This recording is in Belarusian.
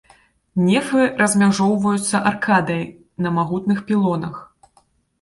Нефы размяжоўваюцца аркадай на магутных пілонах.